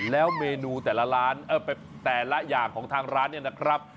แล้วเมนูแต่ละอย่างของทางร้านนี้นะครับ